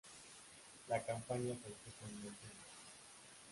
La campaña fue especialmente dura.